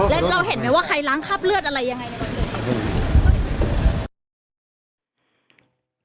แล้วเราเห็นไหมว่าใครล้างคราบเลือดอะไรยังไงในคนอื่น